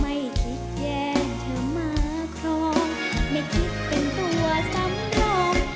ไม่คิดแย่งเธอมาครองไม่คิดเป็นตัวซ้ำรอง